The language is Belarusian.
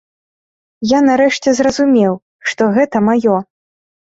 Я нарэшце зразумеў, што гэта маё.